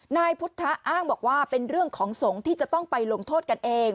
นายพุทธะอ้างบอกว่าเป็นเรื่องของสงฆ์ที่จะต้องไปลงโทษกันเอง